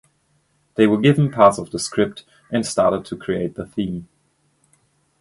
They were given parts of the script and started to create the theme.